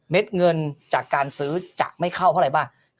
เม็ดเงินจากการซื้อจะไม่เข้าเพราะอะไรป่ะ